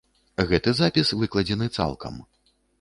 Гэты запіс выкладзены цалкам.